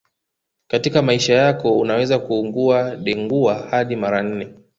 Katika maisha yako unaweza kuugua Dengua hadi mara nne